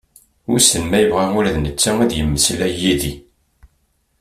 Wisen ma yebɣa ula d netta ad yemeslay d yid-i?